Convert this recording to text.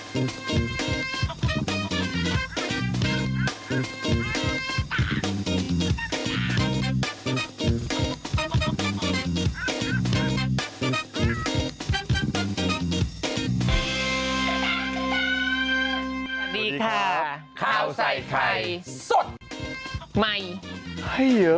สวัสดีค่ะข้าวใส่ไข่สดใหม่ให้เยอะ